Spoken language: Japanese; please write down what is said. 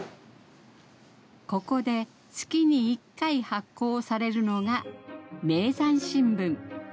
ここで月に１回発行されるのが『名山新聞』。